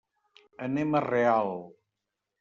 Anem a Real.